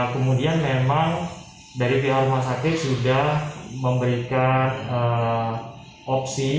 kemudian memang dari pihak rumah sakit sudah memberikan opsi